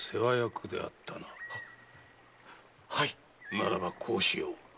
ならばこうしよう。